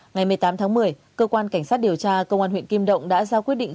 ngày một mươi tám tháng một mươi cơ quan cảnh sát điều tra công an huyện kim động đã ra quyết định